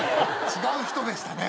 違う人でしたね。